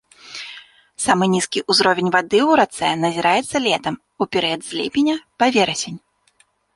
Самы нізкі ўзровень вады ў рацэ назіраецца летам, у перыяд з ліпеня па верасень.